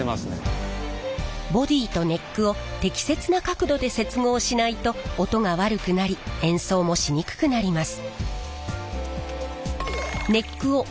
ボディーとネックを適切な角度で接合しないと音が悪くなり演奏もしにくくなります。